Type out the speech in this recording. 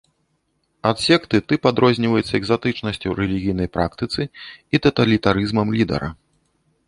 Ад секты тып адрозніваецца экзатычнасцю рэлігійнай практыцы і таталітарызмам лідара.